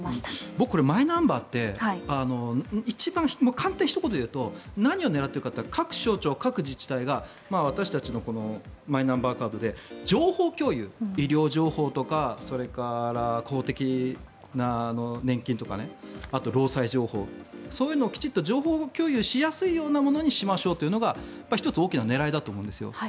僕、マイナンバーって簡単にひと言で言うと何を狙っているかというと各省庁、各自治体が私たちのこのマイナンバーカードで情報共有医療情報とかそれから公的な年金とかあと、労災情報そういうのをきちんと情報共有しやすいようなものにしましょうというのが１つ、大きな狙いだと思うんですよ。